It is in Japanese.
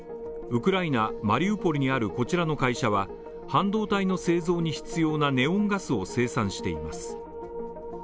ウクライナ・マリウポリにあるこちらの会社は、半導体の製造に必要なネオンガスを製造しています。